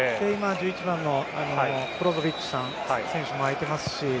１１番のブロゾヴィッチも空いていますし。